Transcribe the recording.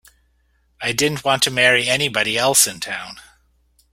I didn't want to marry anybody else in town.